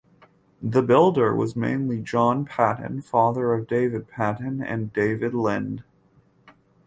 The builder was mainly John Paton (father of David Paton) and David Lind.